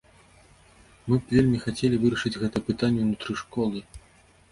Мы б вельмі хацелі вырашыць гэтае пытанне ўнутры школы.